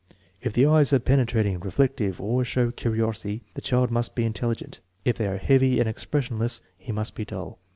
If the eyes are penetrating, reflective, or show curiosity, the child must be intelligent; if they are heavy and expressionless, he must be dull.